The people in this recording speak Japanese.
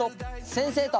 先生と。